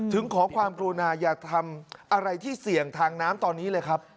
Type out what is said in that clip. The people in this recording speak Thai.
ขอความกรุณาอย่าทำอะไรที่เสี่ยงทางน้ำตอนนี้เลยครับ